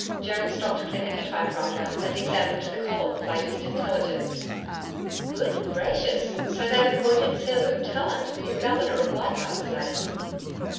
Joan stopped cleaning her typewriter and examined the column of latest intelligence. 'Good gracious! So they've appointed Sir Luke Tallant new Governor of Leichardt's Land!'